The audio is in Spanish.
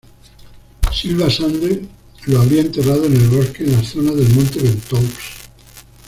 Silva Sande lo habría enterrado en el bosque, en la zona del monte Ventoux.